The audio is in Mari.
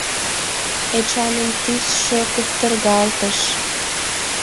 Эчанын тӱсшӧ куптыргалтыш.